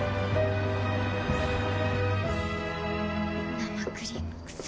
生クリームくさ。